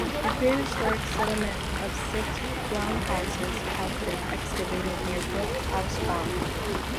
A prehistoric settlement of six roundhouses has been excavated near Brook House Farm.